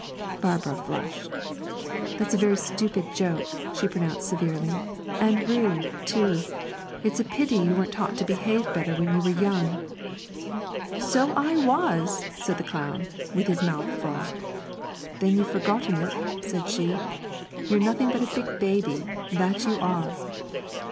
Barbara flushed. 'That's a very stupid joke,' she pronounced severely, 'and rude, too; it's a pity you weren't taught to behave better when you were young.' 'So I was!' said the clown, with his mouth full. 'Then you've forgotten it,' she said; 'you're nothing but a big baby, that you are!'